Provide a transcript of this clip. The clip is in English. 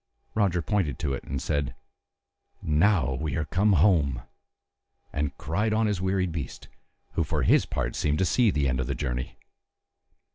Roger pointed to it, and said, "Now we are come home," and cried on his wearied beast, who for his part seemed to see the end of his journey.